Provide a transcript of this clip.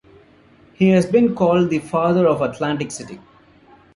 He has been called the "Father of Atlantic City".